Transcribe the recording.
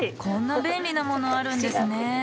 こんな便利なものあるんですね。